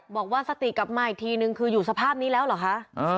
บอกว่าสติกลับมาอีกทีนึงคืออยู่สภาพนี้แล้วเหรอคะ